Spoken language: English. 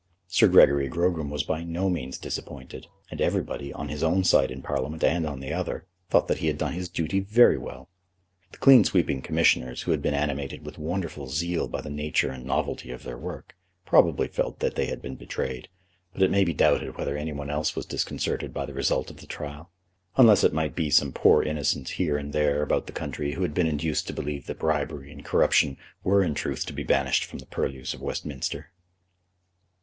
Sir Gregory Grogram was by no means disappointed, and everybody, on his own side in Parliament and on the other, thought that he had done his duty very well. The clean sweeping Commissioners, who had been animated with wonderful zeal by the nature and novelty of their work, probably felt that they had been betrayed, but it may be doubted whether any one else was disconcerted by the result of the trial, unless it might be some poor innocents here and there about the country who had been induced to believe that bribery and corruption were in truth to be banished from the purlieus of Westminster.